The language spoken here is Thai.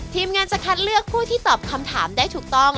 ทีมงานจะคัดเลือกผู้ที่ตอบคำถามได้ถูกต้อง